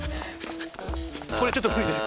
これちょっとむりです。